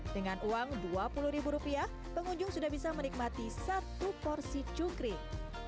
dengan uang dua puluh ribu rupiah pengunjung sudah bisa menikmati satu porsi cukring